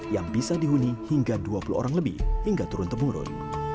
yang bisa dihuni hingga dua puluh orang lebih hingga turun temurun